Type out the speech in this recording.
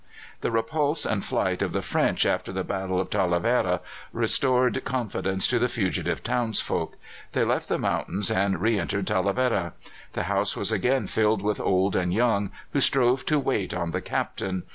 The repulse and flight of the French after the Battle of Talavera restored confidence to the fugitive townsfolk. They left the mountains and re entered Talavera. The house was again filled with old and young, who strove to wait on the Captain.